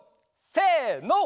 せの！